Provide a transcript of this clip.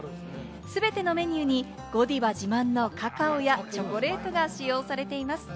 全てのメニューにゴディバ自慢のカカオやチョコレートが使用されています。